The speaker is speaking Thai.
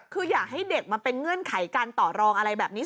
คืออยากให้เด็กมาเป็นเงื่อนไขการต่อรองอะไรแบบนี้